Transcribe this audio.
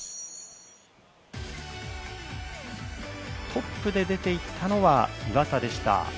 トップで出て行ったのは岩田でした。